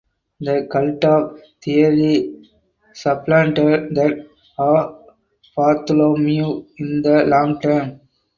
The cult of Thierry supplanted that of Bartholomew in the long term.